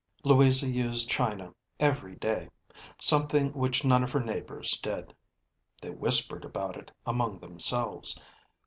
Louisa used china every day something which none of her neighbors did. They whispered about it among themselves.